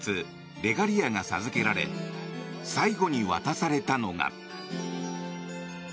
レガリアが授けられ最後に渡されたのが。